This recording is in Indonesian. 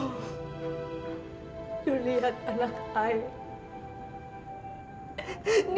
ibu lihat anak ibu